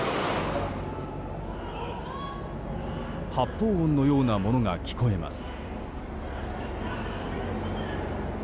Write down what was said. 発砲音のようなものが聞こえます。